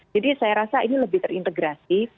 jadi saya rasa ini lebih terintegrasi